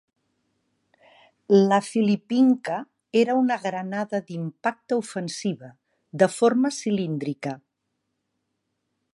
La "Filipinka" era una granada d'impacte ofensiva, de forma cilíndrica.